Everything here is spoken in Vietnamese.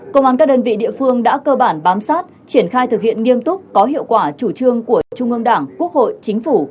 công an các đơn vị địa phương đã cơ bản bám sát triển khai thực hiện nghiêm túc có hiệu quả chủ trương của trung ương đảng quốc hội chính phủ